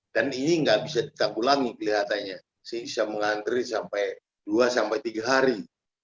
dan ini nggak bisa kita pulangi kelihatannya bisa mengantri sampai dua tiga hari